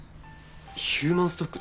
ヒューマンストックで？